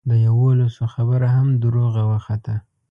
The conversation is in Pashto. د یوولسو خبره هم دروغه وخته.